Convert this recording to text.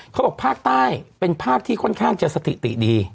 เขาบอกภาคใต้เป็นภาคที่ค่อนข้างจะสถิติดี